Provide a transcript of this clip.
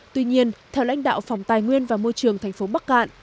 tuy nhiên theo lãnh đạo phòng tài nguyên và môi trường tp bắc cạn